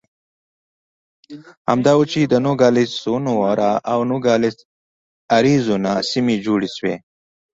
همدا و چې د نوګالس سونورا او نوګالس اریزونا سیمې جوړې شوې.